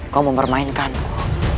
kau mau mempermainkanku